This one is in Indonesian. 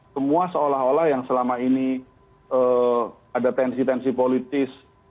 semua seolah olah yang selama ini ada tensi tensi politis